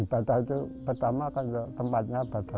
ibadah itu pertama kan tempatnya batasnya